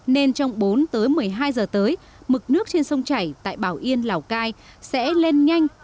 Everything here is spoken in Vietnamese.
nên trong bốn tới một mươi hai giờ tới mực nước trên sông chảy tại bảo yên lào cai sẽ lên nhanh